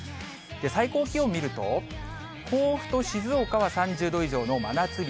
最高気温見ると、甲府と静岡は３０度以上の真夏日。